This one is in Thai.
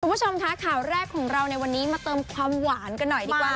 คุณผู้ชมคะข่าวแรกของเราในวันนี้มาเติมความหวานกันหน่อยดีกว่า